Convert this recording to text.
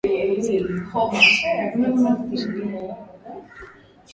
Sehemu ya kwanza ya sherehe hizi ni sherehe ya Eunoto